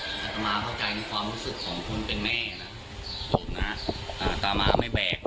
อาตมาเข้าใจในความรู้สึกของคนเป็นแม่นะผมนะตามาไม่แบก